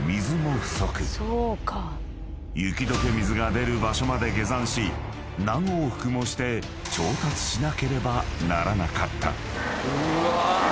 ［雪解け水が出る場所まで下山し何往復もして調達しなければならなかった］